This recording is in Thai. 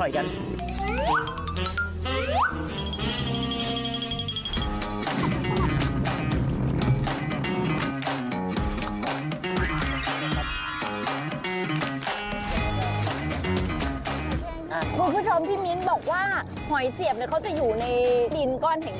คุณผู้ชมพี่มิ้นบอกว่าหอยเสียบเขาจะอยู่ในดินก้อนแห่ง